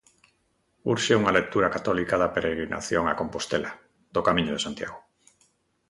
Urxe unha lectura católica da peregrinación a Compostela, do Camiño de Santiago.